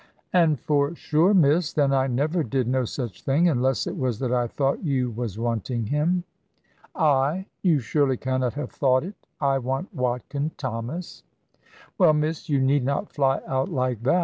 "And for sure, miss, then I never did no such thing; unless it was that I thought you was wanting him." "I! You surely cannot have thought it! I want Watkin Thomas!" "Well, miss, you need not fly out like that.